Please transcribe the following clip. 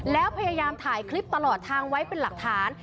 แล้วพยายามถ่ายคลิปตลอดทางไว้เป็นหลักฐาน